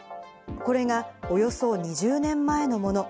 これがおよそ２０年前のもの。